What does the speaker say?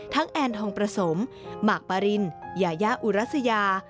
แอนทองประสมหมากปารินยายาอุรัสยา